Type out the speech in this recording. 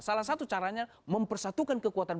salah satu caranya mempersatukan kekuatan